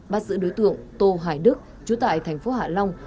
bắt giữ đối tượng tô hải đức chú tại thành phố hạ long